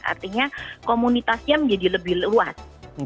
artinya komunitasnya menjadi lebih luas